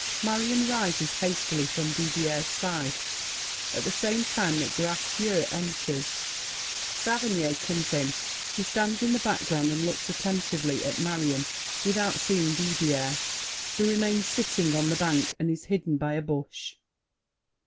[Marion rises hastily from Didier's side. At the same time that Gracieux enters, Saverny comes in; he stands in the background and looks attentively at Marion without seeing Didier, who remains sitting on the bank and is hidden by a bush.